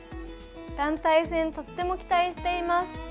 団体戦、とっても期待しています。